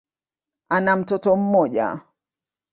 Ana mtoto mmoja.